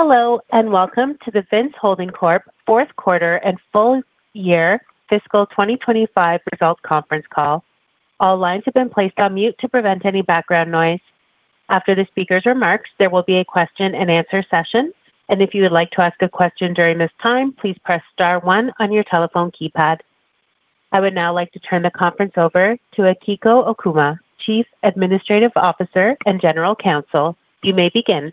Hello and welcome to the Vince Holding Corp. fourth quarter and full year fiscal 2025 results conference call. All lines have been placed on mute to prevent any background noise. After the speaker's remarks, there will be a question and answer session. If you would like to ask a question during this time, please press star one on your telephone keypad. I would now like to turn the conference over to Akiko Okuma, Chief Administrative Officer and General Counsel. You may begin.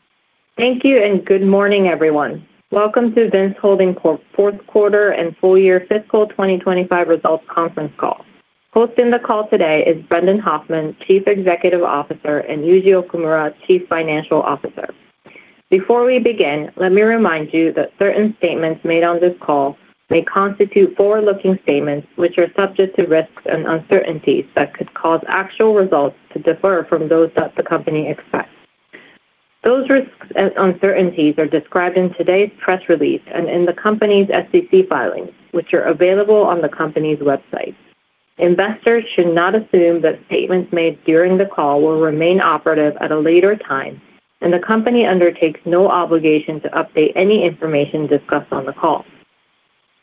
Thank you, and good morning, everyone. Welcome to Vince Holding Corp. fourth quarter and full year fiscal 2025 results conference call. Hosting the call today is Brendan Hoffman, Chief Executive Officer, and Yuji Okumura, Chief Financial Officer. Before we begin, let me remind you that certain statements made on this call may constitute forward-looking statements, which are subject to risks and uncertainties that could cause actual results to differ from those that the company expects. Those risks and uncertainties are described in today's press release and in the company's SEC filings, which are available on the company's website. Investors should not assume that statements made during the call will remain operative at a later time, and the company undertakes no obligation to update any information discussed on the call.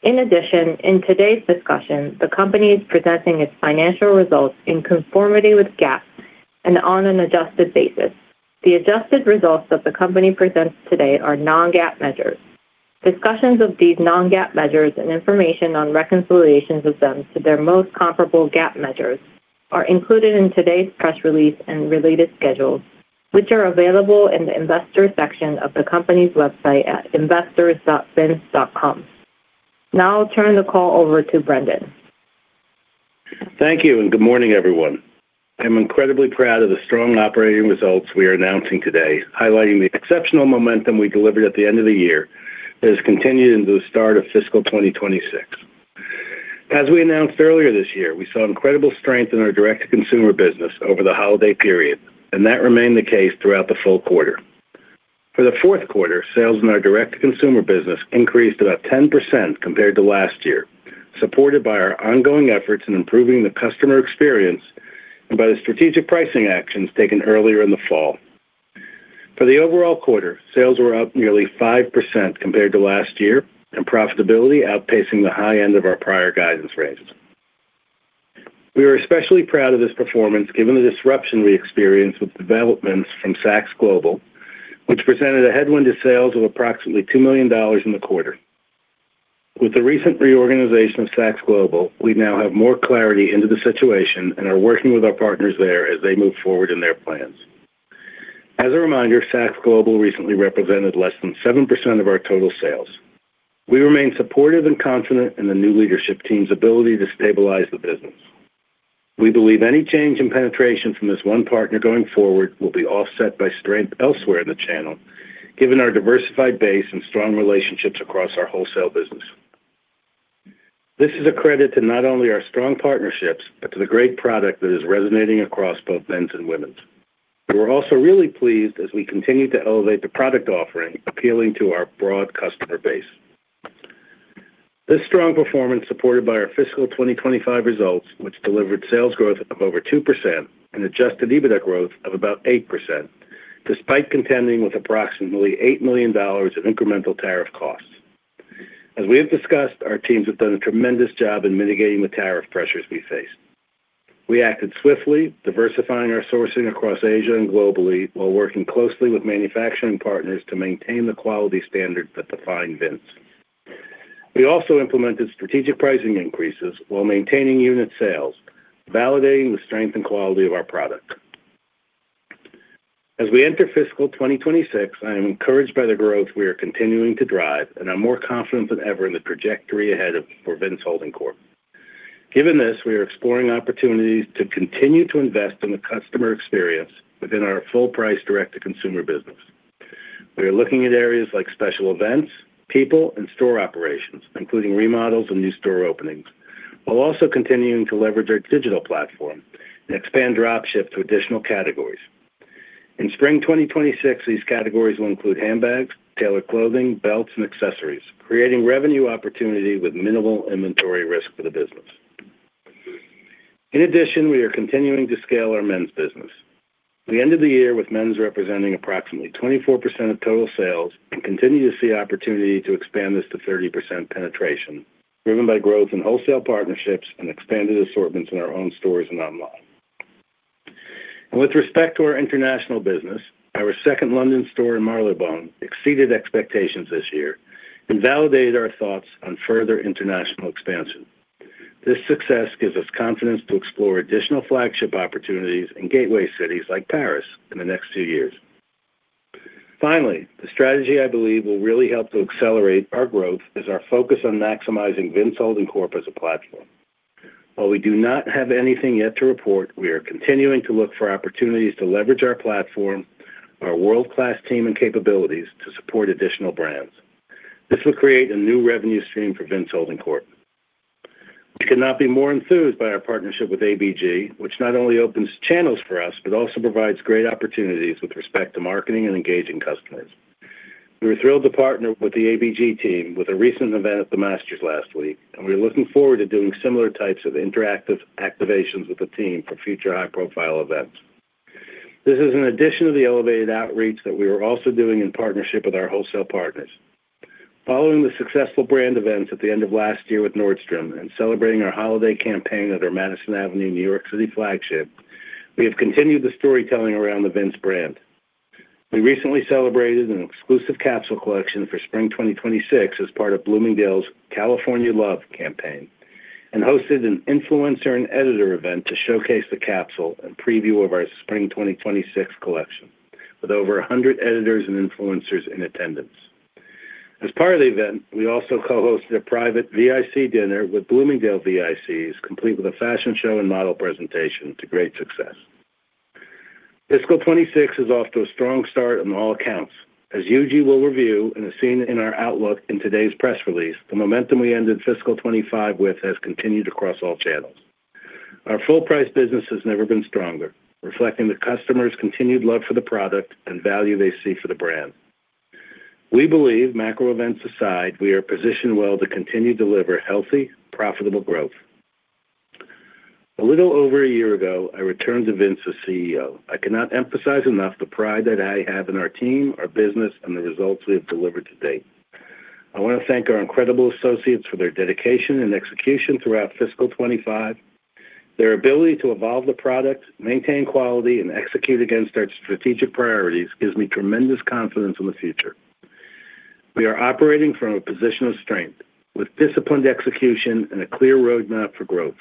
In addition, in today's discussion, the company is presenting its financial results in conformity with GAAP and on an adjusted basis. The adjusted results that the company presents today are non-GAAP measures. Discussions of these non-GAAP measures and information on reconciliations of them to their most comparable GAAP measures are included in today's press release and related schedules, which are available in the Investors section of the company's website at investors.vince.com. Now I'll turn the call over to Brendan. Thank you, and good morning, everyone. I'm incredibly proud of the strong operating results we are announcing today, highlighting the exceptional momentum we delivered at the end of the year that has continued into the start of fiscal 2026. As we announced earlier this year, we saw incredible strength in our direct-to-consumer business over the holiday period, and that remained the case throughout the full quarter. For the fourth quarter, sales in our direct-to-consumer business increased about 10% compared to last year, supported by our ongoing efforts in improving the customer experience and by the strategic pricing actions taken earlier in the fall. For the overall quarter, sales were up nearly 5% compared to last year, and profitability outpacing the high end of our prior guidance range. We are especially proud of this performance given the disruption we experienced with developments from Saks Global, which presented a headwind to sales of approximately $2 million in the quarter. With the recent reorganization of Saks Global, we now have more clarity into the situation and are working with our partners there as they move forward in their plans. As a reminder, Saks Global recently represented less than 7% of our total sales. We remain supportive and confident in the new leadership team's ability to stabilize the business. We believe any change in penetration from this one partner going forward will be offset by strength elsewhere in the channel, given our diversified base and strong relationships across our wholesale business. This is a credit to not only our strong partnerships, but to the great product that is resonating across both men's and women's. We're also really pleased as we continue to elevate the product offering appealing to our broad customer base. This strong performance, supported by our fiscal 2025 results, which delivered sales growth of over 2% and Adjusted EBITDA growth of about 8%, despite contending with approximately $8 million of incremental tariff costs. As we have discussed, our teams have done a tremendous job in mitigating the tariff pressures we face. We acted swiftly, diversifying our sourcing across Asia and globally while working closely with manufacturing partners to maintain the quality standard that define Vince. We also implemented strategic pricing increases while maintaining unit sales, validating the strength and quality of our product. As we enter fiscal 2026, I am encouraged by the growth we are continuing to drive, and I'm more confident than ever in the trajectory ahead of for Vince Holding Corp. Given this, we are exploring opportunities to continue to invest in the customer experience within our full-price direct-to-consumer business. We are looking at areas like special events, people, and store operations, including remodels and new store openings, while also continuing to leverage our digital platform and expand drop ship to additional categories. In Spring 2026, these categories will include handbags, tailored clothing, belts, and accessories, creating revenue opportunity with minimal inventory risk for the business. In addition, we are continuing to scale our men's business. We ended the year with men's representing approximately 24% of total sales and continue to see opportunity to expand this to 30% penetration, driven by growth in wholesale partnerships and expanded assortments in our own stores and online. With respect to our international business, our second London store in Marylebone exceeded expectations this year and validated our thoughts on further international expansion. This success gives us confidence to explore additional flagship opportunities in gateway cities like Paris in the next two years. Finally, the strategy I believe will really help to accelerate our growth is our focus on maximizing Vince Holding Corp. as a platform. While we do not have anything yet to report, we are continuing to look for opportunities to leverage our platform, our world-class team, and capabilities to support additional brands. This will create a new revenue stream for Vince Holding Corp. We could not be more enthused by our partnership with ABG, which not only opens channels for us, but also provides great opportunities with respect to marketing and engaging customers. We were thrilled to partner with the ABG team with a recent event at the Masters last week, and we are looking forward to doing similar types of interactive activations with the team for future high-profile events. This is in addition to the elevated outreach that we are also doing in partnership with our wholesale partners. Following the successful brand events at the end of last year with Nordstrom and celebrating our holiday campaign at our Madison Avenue, New York City flagship, we have continued the storytelling around the Vince brand. We recently celebrated an exclusive capsule collection for Spring 2026 as part of Bloomingdale's California Love campaign and hosted an influencer and editor event to showcase the capsule and preview of our Spring 2026 collection, with over 100 editors and influencers in attendance. As part of the event, we also co-hosted a private VIC dinner with Bloomingdale's VICs, complete with a fashion show and model presentation to great success. Fiscal 2026 is off to a strong start on all accounts. As Yuji will review and as seen in our outlook in today's press release, the momentum we ended fiscal 2025 with has continued across all channels. Our full-price business has never been stronger, reflecting the customer's continued love for the product and value they see for the brand. We believe, macro events aside, we are positioned well to continue to deliver healthy, profitable growth. A little over a year ago, I returned to Vince as CEO. I cannot emphasize enough the pride that I have in our team, our business, and the results we have delivered to date. I want to thank our incredible associates for their dedication and execution throughout fiscal 2025. Their ability to evolve the product, maintain quality, and execute against our strategic priorities gives me tremendous confidence in the future. We are operating from a position of strength with disciplined execution and a clear roadmap for growth.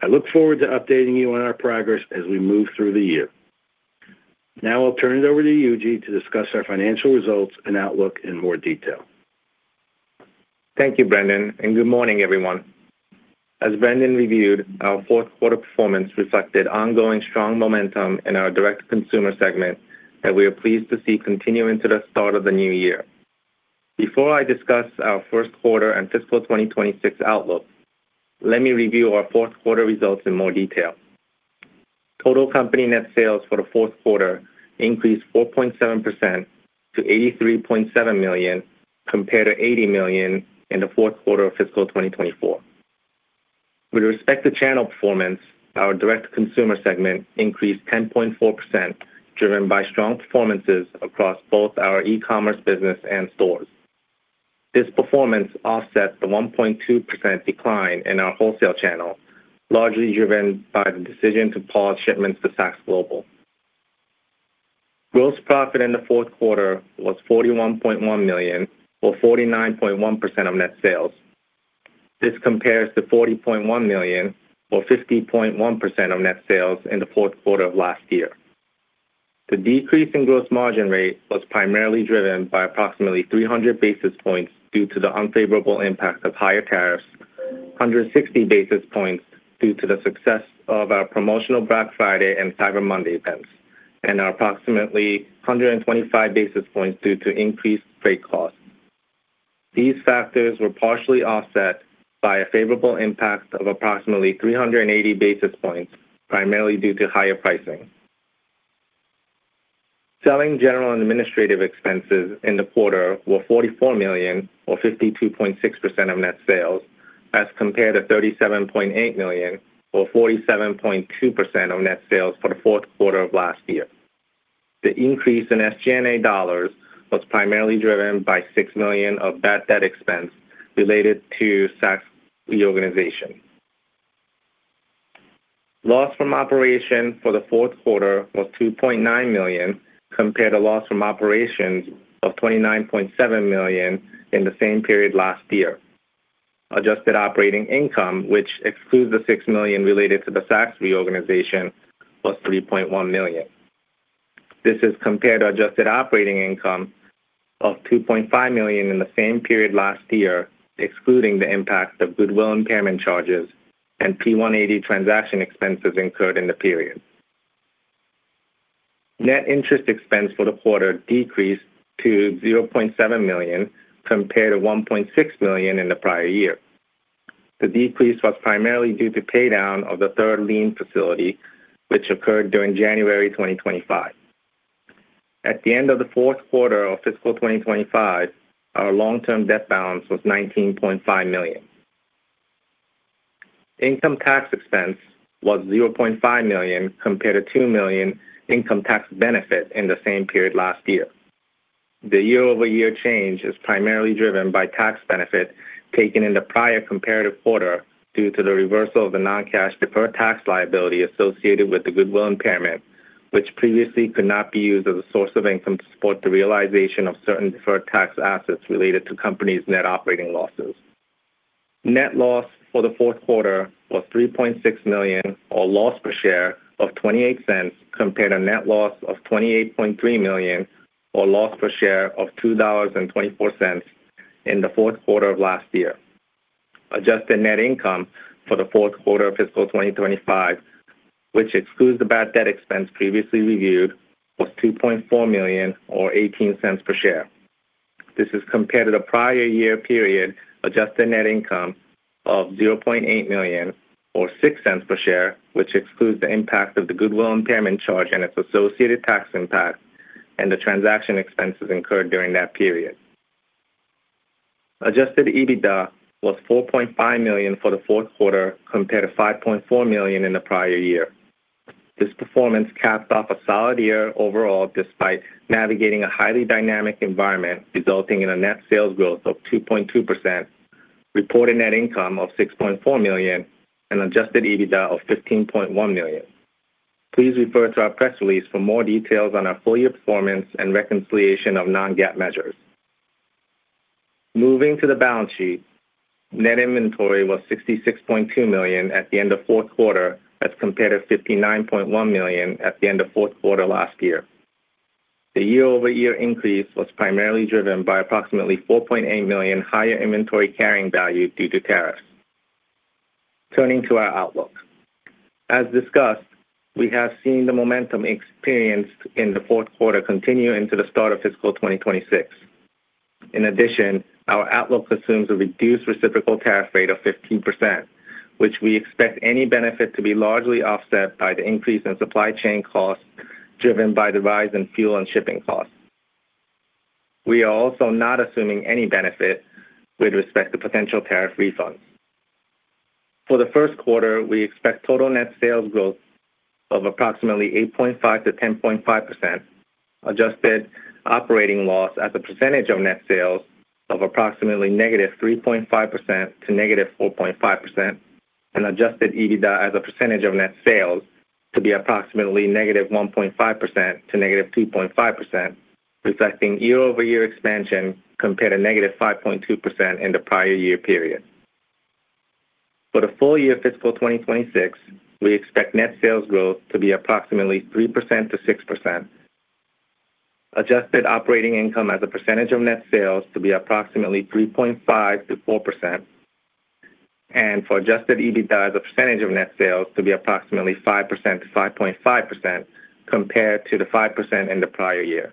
I look forward to updating you on our progress as we move through the year. Now I'll turn it over to Yuji to discuss our financial results and outlook in more detail. Thank you, Brendan, and good morning, everyone. As Brendan reviewed, our fourth quarter performance reflected ongoing strong momentum in our direct-to-consumer segment that we are pleased to see continuing to the start of the new year. Before I discuss our first quarter and fiscal 2026 outlook, let me review our fourth quarter results in more detail. Total company net sales for the fourth quarter increased 4.7% to $83.7 million, compared to $80 million in the fourth quarter of fiscal 2024. With respect to channel performance, our direct-to-consumer segment increased 10.4%, driven by strong performances across both our e-commerce business and stores. This performance offset the 1.2% decline in our wholesale channel, largely driven by the decision to pause shipments to Saks Global. Gross profit in the fourth quarter was $41.1 million or 49.1% of net sales. This compares to $40.1 million or 50.1% of net sales in the fourth quarter of last year. The decrease in gross margin rate was primarily driven by approximately 300 basis points due to the unfavorable impact of higher tariffs, 160 basis points due to the success of our promotional Black Friday and Cyber Monday events, and approximately 125 basis points due to increased freight costs. These factors were partially offset by a favorable impact of approximately 380 basis points, primarily due to higher pricing. Selling, general, and administrative expenses in the quarter were $44 million or 52.6% of net sales as compared to $37.8 million or 47.2% of net sales for the fourth quarter of last year. The increase in SG&A dollars was primarily driven by $6 million of bad debt expense related to Saks' reorganization. Loss from operation for the fourth quarter was $2.9 million compared to loss from operations of $29.7 million in the same period last year. Adjusted operating income, which excludes the $6 million related to the Saks reorganization, was $3.1 million. This is compared to adjusted operating income of $2.5 million in the same period last year, excluding the impact of goodwill impairment charges and P180 transaction expenses incurred in the period. Net interest expense for the quarter decreased to $0.7 million compared to $1.6 million in the prior year. The decrease was primarily due to paydown of the third lien facility, which occurred during January 2025. At the end of the fourth quarter of fiscal 2025, our long-term debt balance was $19.5 million. Income tax expense was $0.5 million compared to $2 million income tax benefit in the same period last year. The year-over-year change is primarily driven by tax benefit taken in the prior comparative quarter due to the reversal of the non-cash deferred tax liability associated with the goodwill impairment, which previously could not be used as a source of income to support the realization of certain deferred tax assets related to company's net operating losses. Net loss for the fourth quarter was $3.6 million, or loss per share of $0.28, compared to net loss of $28.3 million or a loss per share of $2.24 in the fourth quarter of last year. Adjusted net income for the fourth quarter of fiscal 2025, which excludes the bad debt expense previously reviewed, was $2.4 million or $0.18 per share. This is compared to the prior year period adjusted net income of $0.8 million or $0.06 per share, which excludes the impact of the goodwill impairment charge and its associated tax impact and the transaction expenses incurred during that period. Adjusted EBITDA was $4.5 million for the fourth quarter, compared to $5.4 million in the prior year. This performance capped off a solid year overall, despite navigating a highly dynamic environment, resulting in a net sales growth of 2.2%, reported net income of $6.4 million, and Adjusted EBITDA of $15.1 million. Please refer to our press release for more details on our full year performance and reconciliation of non-GAAP measures. Moving to the balance sheet, net inventory was $66.2 million at the end of fourth quarter as compared to $59.1 million at the end of fourth quarter last year. The year-over-year increase was primarily driven by approximately $4.8 million higher inventory carrying value due to tariffs. Turning to our outlook, as discussed, we have seen the momentum experienced in the fourth quarter continue into the start of fiscal 2026. In addition, our outlook assumes a reduced reciprocal tariff rate of 15%, which we expect any benefit to be largely offset by the increase in supply chain costs driven by the rise in fuel and shipping costs. We are also not assuming any benefit with respect to potential tariff refunds. For the first quarter, we expect total net sales growth of approximately 8.5%-10.5%, adjusted operating loss as a percentage of net sales of approximately -3.5% to -4.5%, and Adjusted EBITDA as a percentage of net sales to be approximately -1.5% to -2.5%, reflecting year-over-year expansion compared to -5.2% in the prior year period. For the full year fiscal 2026, we expect net sales growth to be approximately 3%-6%, adjusted operating income as a percentage of net sales to be approximately 3.5%-4%, and for Adjusted EBITDA as a percentage of net sales to be approximately 5%-5.5% compared to the 5% in the prior year.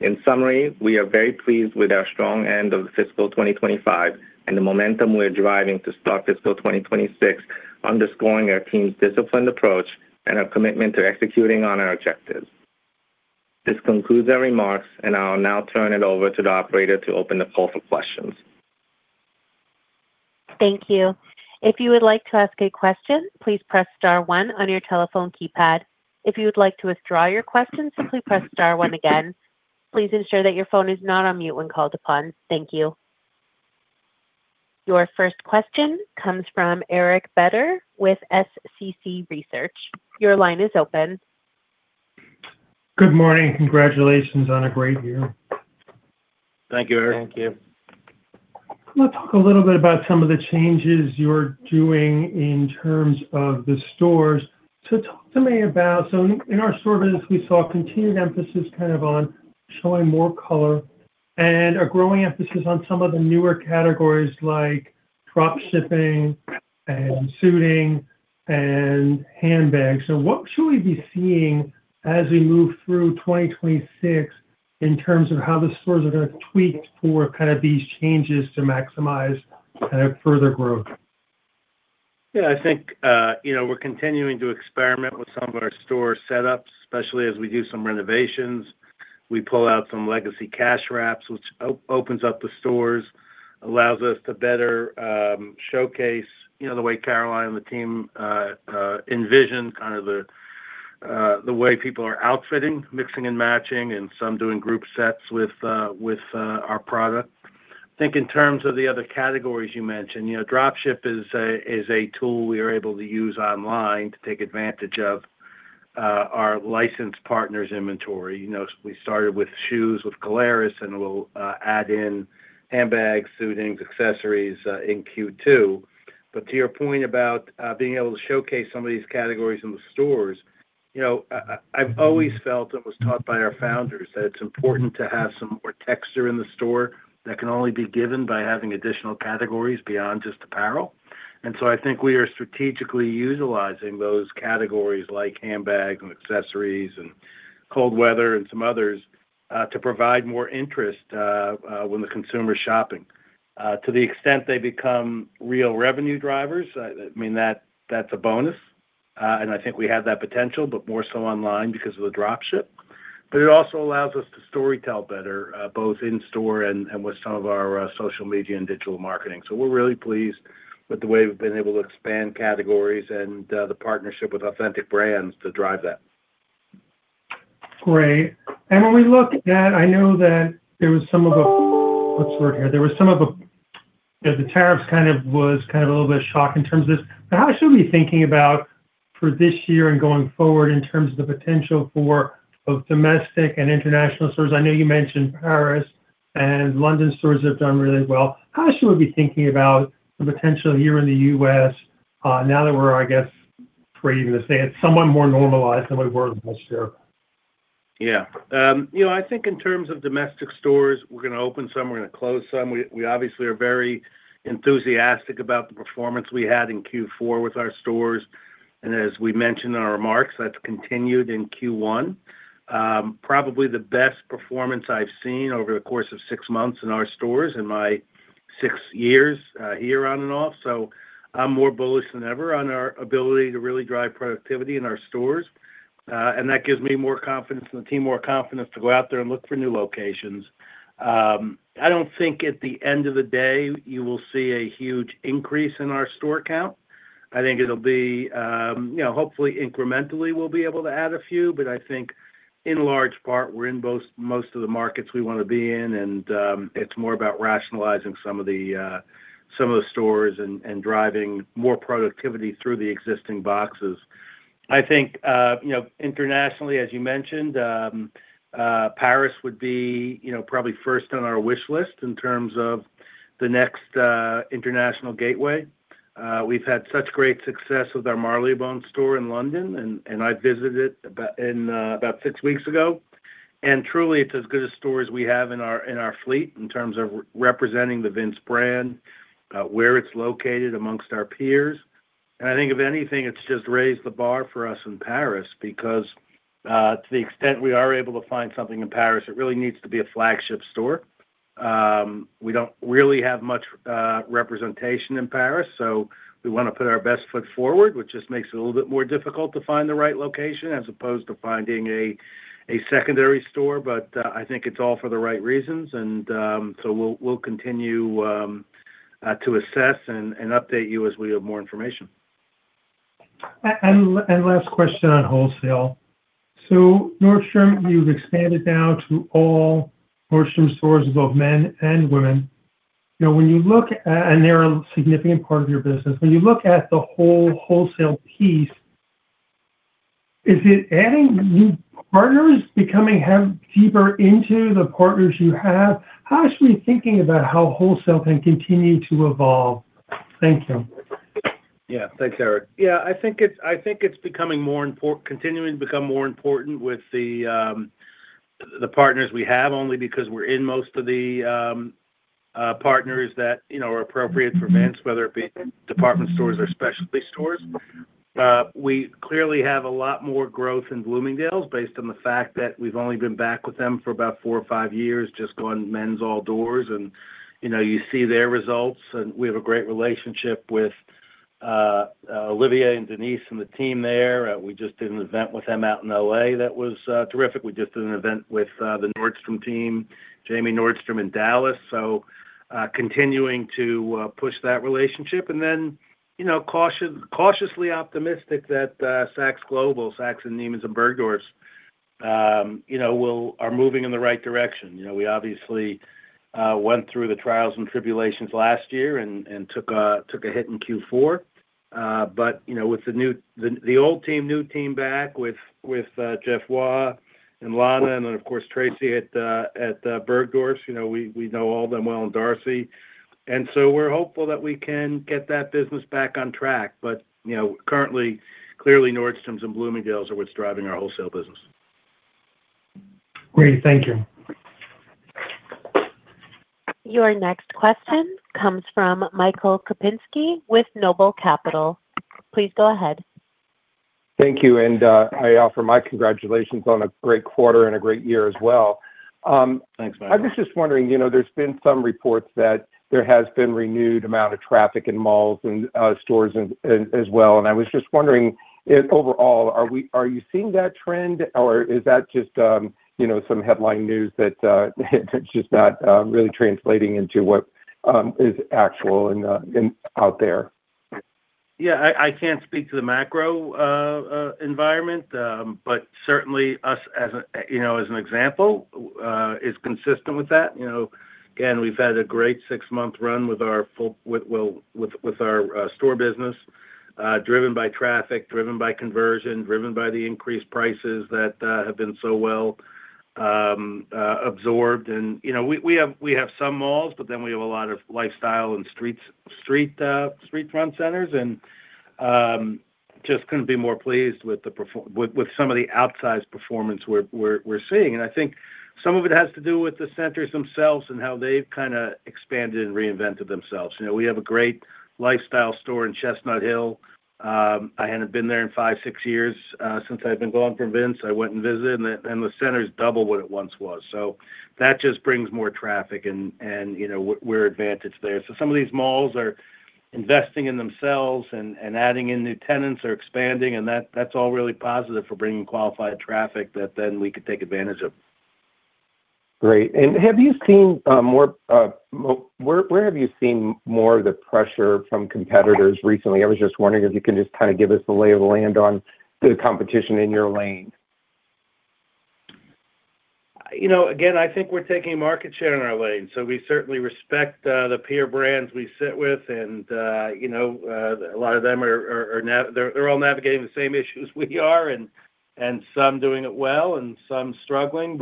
In summary, we are very pleased with our strong end of fiscal 2025 and the momentum we're driving to start fiscal 2026, underscoring our team's disciplined approach and our commitment to executing on our objectives. This concludes our remarks, and I'll now turn it over to the operator to open the call for questions. Thank you. If you would like to ask a question, please press star one on your telephone keypad. If you would like to withdraw your question, simply press star one again. Please ensure that your phone is not on mute when called upon. Thank you. Your first question comes from Eric Beder with SCC Research. Your line is open. Good morning. Congratulations on a great year. Thank you, Eric. Thank you. I want to talk a little bit about some of the changes you're doing in terms of the stores. In our store visit, we saw a continued emphasis on showing more color and a growing emphasis on some of the newer categories like drop shipping and suiting and handbags. What should we be seeing as we move through 2026 in terms of how the stores are going to be tweaked for these changes to maximize further growth? Yeah, I think we're continuing to experiment with some of our store setups, especially as we do some renovations. We pull out some legacy cash wraps, which opens up the stores, allows us to better showcase the way Caroline and the team envision the way people are outfitting, mixing and matching, and some doing group sets with our product. I think in terms of the other categories you mentioned, drop ship is a tool we are able to use online to take advantage of our licensed partners' inventory. We started with shoes with Caleres, and we'll add in handbags, suitings, accessories in Q2. To your point about being able to showcase some of these categories in the stores, I've always felt and was taught by our founders that it's important to have some more texture in the store that can only be given by having additional categories beyond just apparel. I think we are strategically utilizing those categories like handbags and accessories and cold weather and some others to provide more interest when the consumer's shopping. To the extent they become real revenue drivers, I mean, that's a bonus. I think we have that potential, but more so online because of the drop ship. It also allows us to story tell better, both in store and with some of our social media and digital marketing. We're really pleased with the way we've been able to expand categories and the partnership with Authentic Brands to drive that. Great. When we look at that, what's the word here? The tariffs was a little bit of shock in terms of this. How should we be thinking about for this year and going forward in terms of the potential for both domestic and international stores? I know you mentioned Paris and London stores have done really well. How should we be thinking about the potential here in the U.S. now that we're, I guess, brave to say it's somewhat more normalized than we were last year? Yeah. I think in terms of domestic stores, we're going to open some, we're going to close some. We obviously are very enthusiastic about the performance we had in Q4 with our stores. As we mentioned in our remarks, that's continued in Q1, probably the best performance I've seen over the course of six months in our stores in my six years here on and off. I'm more bullish than ever on our ability to really drive productivity in our stores. That gives me more confidence and the team more confidence to go out there and look for new locations. I don't think at the end of the day you will see a huge increase in our store count. I think it'll be, hopefully incrementally we'll be able to add a few. I think in large part, we're in most of the markets we want to be in, and it's more about rationalizing some of the stores and driving more productivity through the existing boxes. I think internationally, as you mentioned, Paris would be probably first on our wish list in terms of the next international gateway. We've had such great success with our Marylebone store in London, and I visited about six weeks ago. Truly, it's as good a store as we have in our fleet in terms of representing the Vince brand, where it's located amongst our peers. I think if anything, it's just raised the bar for us in Paris because to the extent we are able to find something in Paris, it really needs to be a flagship store. We don't really have much representation in Paris, so we want to put our best foot forward, which just makes it a little bit more difficult to find the right location as opposed to finding a secondary store. I think it's all for the right reasons, and so we'll continue to assess and update you as we have more information. Last question on wholesale. Nordstrom, you've expanded now to all Nordstrom stores, both men and women. They're a significant part of your business. When you look at the whole wholesale piece, is it adding new partners, becoming deeper into the partners you have? How are you actually thinking about how wholesale can continue to evolve? Thank you. Thanks, Eric. Yeah, I think it's continuing to become more important with the partners we have, only because we're in most of the partners that are appropriate for Vince, whether it be department stores or specialty stores. We clearly have a lot more growth in Bloomingdale's based on the fact that we've only been back with them for about 4 or 5 years, just going men's all doors and you see their results. We have a great relationship with Olivia and Denise and the team there. We just did an event with them out in L.A. that was terrific. We just did an event with the Nordstrom team, Jamie Nordstrom in Dallas. Continuing to push that relationship and then cautiously optimistic that Saks Global, Saks and Neiman's and Bergdorf's are moving in the right direction. We obviously went through the trials and tribulations last year and took a hit in Q4. With the old team, new team back with Jeff Waugh and Lana, and then of course, Tracy at Bergdorf's, we know all of them well, and Darcy. We're hopeful that we can get that business back on track. Currently, clearly Nordstrom's and Bloomingdale's are what's driving our wholesale business. Great. Thank you. Your next question comes from Michael Kupinski with Noble Capital. Please go ahead. Thank you. I offer my congratulations on a great quarter and a great year as well. Thanks, Michael. I was just wondering, there's been some reports that there has been renewed amount of traffic in malls and stores as well. I was just wondering if overall, are you seeing that trend or is that just some headline news that it's just not really translating into what is actual and out there? Yeah, I can't speak to the macro environment. Certainly us as an example is consistent with that. Again, we've had a great six-month run with our store business, driven by traffic, driven by conversion, driven by the increased prices that have been so well absorbed. We have some malls, but then we have a lot of lifestyle and street front centers, and just couldn't be more pleased with some of the outsized performance we're seeing. I think some of it has to do with the centers themselves and how they've expanded and reinvented themselves. We have a great lifestyle store in Chestnut Hill. I hadn't been there in 5, 6 years since I've been gone from Vince. I went and visited and the center is double what it once was. That just brings more traffic and we're advantaged there. Some of these malls are investing in themselves and adding in new tenants or expanding, and that's all really positive for bringing qualified traffic that then we can take advantage of. Great. Where have you seen more of the pressure from competitors recently? I was just wondering if you can just give us the lay of the land on the competition in your lane. Again, I think we're taking market share in our lane, so we certainly respect the peer brands we sit with, and a lot of them are all navigating the same issues we are, and some doing it well and some struggling.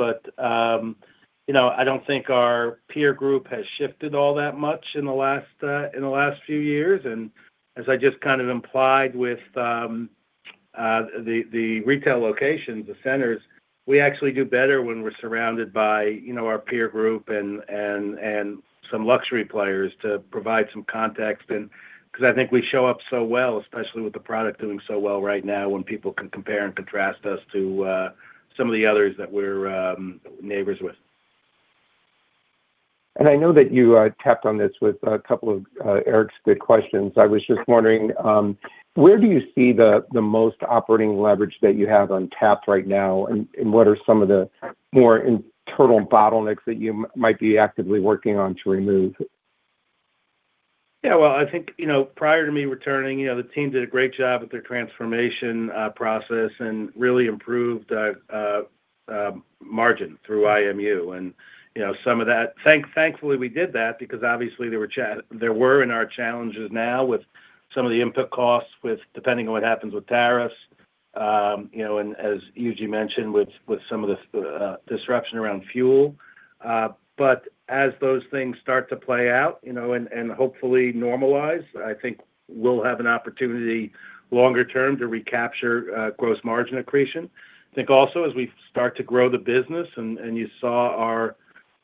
I don't think our peer group has shifted all that much in the last few years. As I just implied with the retail locations, the centers, we actually do better when we're surrounded by our peer group and some luxury players to provide some context because I think we show up so well, especially with the product doing so well right now when people can compare and contrast us to some of the others that we're neighbors with. I know that you tapped on this with a couple of Eric's good questions. I was just wondering, where do you see the most operating leverage that you have untapped right now, and what are some of the more internal bottlenecks that you might be actively working on to remove? Yeah, well, I think, prior to me returning, the team did a great job with their transformation process and really improved margin through IMU. Thankfully we did that because obviously there were, and are, challenges now with some of the input costs, depending on what happens with tariffs, and as Yuji mentioned, with some of the disruption around fuel. As those things start to play out, and hopefully normalize, I think we'll have an opportunity longer term to recapture gross margin accretion. I think also as we start to grow the business, and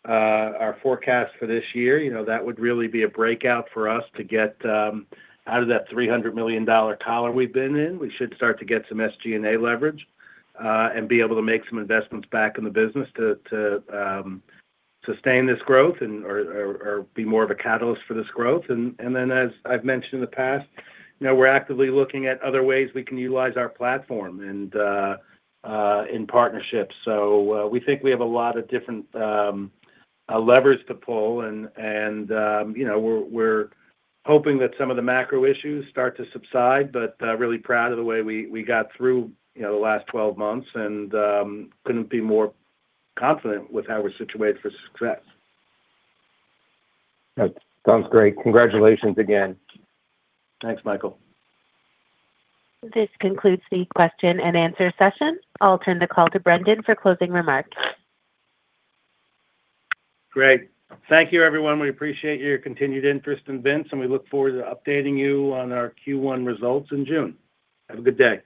you saw our forecast for this year, that would really be a breakout for us to get out of that $300 million collar we've been in. We should start to get some SG&A leverage, and be able to make some investments back in the business to sustain this growth or be more of a catalyst for this growth. As I've mentioned in the past, we're actively looking at other ways we can utilize our platform and in partnerships. We think we have a lot of different levers to pull and we're hoping that some of the macro issues start to subside, but really proud of the way we got through the last 12 months and couldn't be more confident with how we're situated for success. That sounds great. Congratulations again. Thanks, Michael. This concludes the question and answer session. I'll turn the call to Brendan for closing remarks. Great. Thank you, everyone. We appreciate your continued interest in Vince, and we look forward to updating you on our Q1 results in June. Have a good day.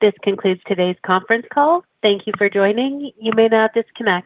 This concludes today's conference call. Thank you for joining. You may now disconnect.